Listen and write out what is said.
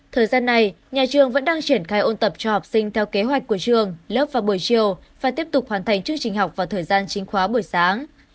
thời gian này nhà trường vẫn đang triển khai ôn tập cho học sinh theo kế hoạch của trường lớp vào buổi chiều và tiếp tục hoàn thành chương trình học vào thời gian chính khóa buổi sáng